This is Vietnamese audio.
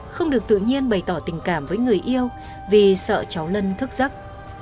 không được tự nhiên bày tỏ tình cảm với người yêu vì sợ cháu lân thức giấc